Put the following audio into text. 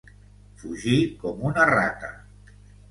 Fugir com una rata.